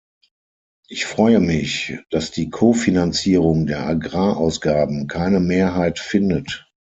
Ich freue mich, dass die Kofinanzierung der Agrarausgaben keine Mehrheit findet.